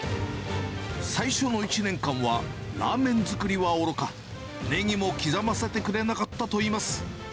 最初の１年間は、ラーメン作りはおろか、ねぎも刻ませてくれなかったといいます。